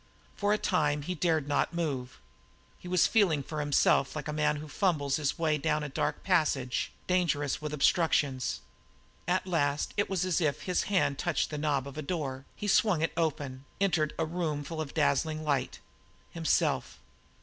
For a time he dared not move. He was feeling for himself like a man who fumbles his way down a dark passage dangerous with obstructions. At last it was as if his hand touched the knob of a door; he swung it open, entered a room full of dazzling light himself.